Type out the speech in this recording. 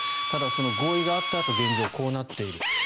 ただ、その合意があったあと現状、こうなっている。